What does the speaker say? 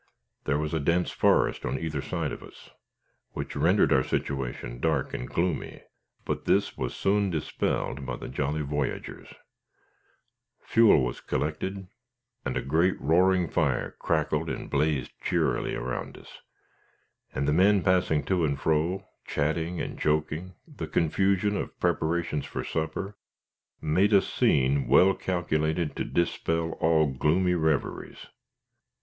There was a dense forest on either side of us, which rendered our situation dark and gloomy; but this was soon dispelled by the jolly voyageurs. Fuel was collected, and a great roaring fire crackled and blazed cheerily around us; and the men passing to and fro, chatting and joking, the confusion of preparations for supper, made a scene well calculated to dispel all gloomy reveries.